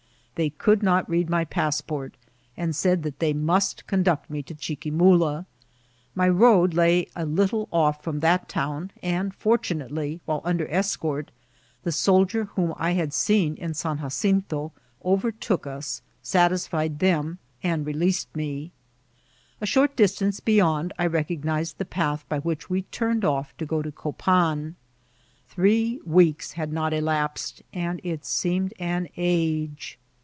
They could not read my passport, and said that they must conduct me to Chi quimuhu My road lay a little off from that town ; and) fortunately, while under escort, the soldier whom I had seen in San Jacinto overtook us, satisfied them, and re leased me. A short distance beyond I recognised the path by which we turned off to go to Copan. Three weeks had not elapsed, and it seemed an age.